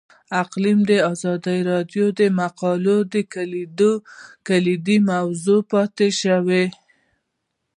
اقلیم د ازادي راډیو د مقالو کلیدي موضوع پاتې شوی.